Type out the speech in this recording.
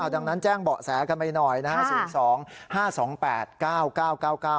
ดังนั้นแจ้งเบาะแสกันไปหน่อยนะฮะ